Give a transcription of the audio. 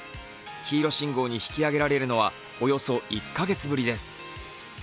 黄色信号に引き上げられるのはおよそ１か月ぶりです。